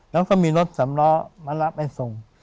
แล้วก็มีรถสำล้อมารับไปส่ง